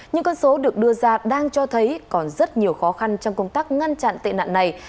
những con số được đưa ra đang cho thấy còn rất nhiều khó khăn trong công tác ngăn chặn tệ nạn này